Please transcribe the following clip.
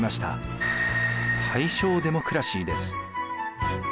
「大正デモクラシー」です。